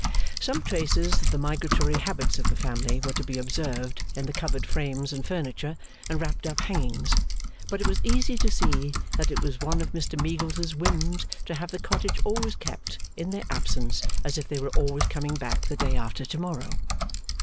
Some traces of the migratory habits of the family were to be observed in the covered frames and furniture, and wrapped up hangings; but it was easy to see that it was one of Mr Meagles's whims to have the cottage always kept, in their absence, as if they were always coming back the day after to morrow.